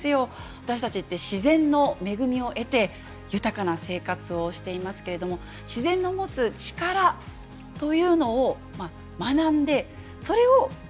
私たちって自然の恵みを得て豊かな生活をしていますけれども自然の持つ力というのを学んでそれを生かす。